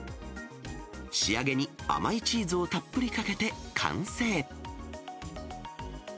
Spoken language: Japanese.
仕上げに甘いチーズをたっぷりかけて完成。